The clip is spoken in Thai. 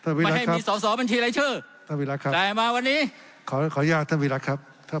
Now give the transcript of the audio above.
นี่ไหมท่านประธานครับท่านวิหรักครับมาให้มีสอสอบัญชีในอะไรเช่น